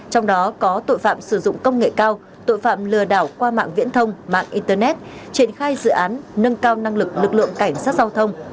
trong đó có tội phạm sử dụng công nghệ cao tội phạm lừa đảo qua mạng viễn thông mạng internet triển khai dự án nâng cao năng lực lực lượng cảnh sát giao thông